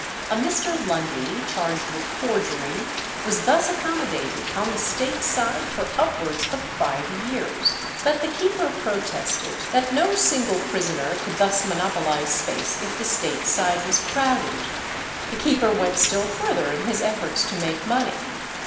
A Mr. Lundy, charged with forgery, was thus accommodated on the state side for upwards of five years. But the keeper protested that no single prisoner could thus monopolize space if the state side was crowded. The keeper went still further in his efforts to make money.